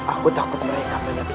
aku takut mereka menyapu ibu nda